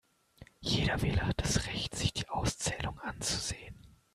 Jeder Wähler hat das Recht, sich die Auszählung anzusehen.